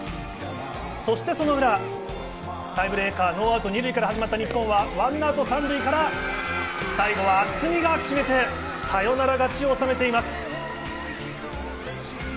そしてその裏、タイブレークはノーアウト２塁から始まった日本は１アウト３塁から最後は渥美が決めてサヨナラ勝ちを収めています。